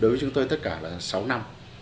đối với chúng tôi tất cả là sáu năm